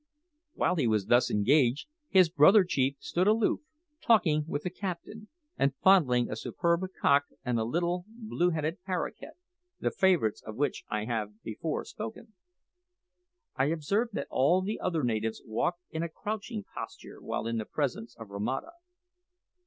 While he was thus engaged, his brother chief stood aloof, talking with the captain, and fondling a superb cock and a little blue headed paroquet the favourites of which I have before spoken. I observed that all the other natives walked in a crouching posture while in the presence of Romata.